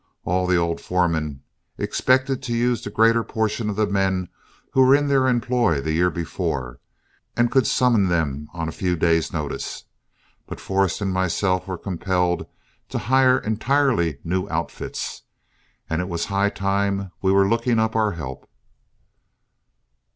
All the old foremen expected to use the greater portion of the men who were in their employ the year before, and could summon them on a few days' notice. But Forrest and myself were compelled to hire entirely new outfits, and it was high time we were looking up our help.